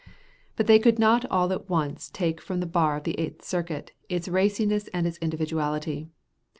But they could not all at once take from the bar of the Eighth Circuit its raciness and its individuality.